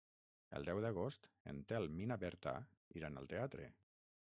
El deu d'agost en Telm i na Berta iran al teatre.